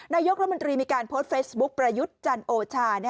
นายกรัฐมนตรีมีการโพสต์เฟซบุ๊คประยุทธ์จันโอชา